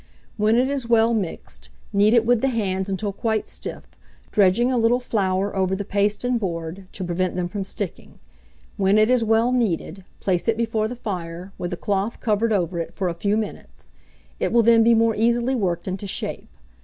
When it is well mixed, knead it with the hands until quite stiff, dredging a little flour over the paste and board, to prevent them from sticking. When it is well kneaded, place it before the fire, with a cloth covered over it, for a few minutes; it will then be more easily worked into shape.